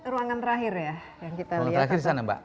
ruangan terakhir di sana mbak